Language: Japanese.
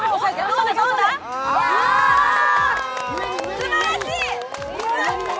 すばらしい！